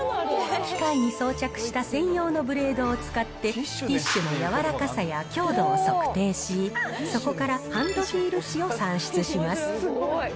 機械に装着した専用のブレードを使って、ティッシュの柔らかさや強度を測定し、そこからハンドフィール値を算出します。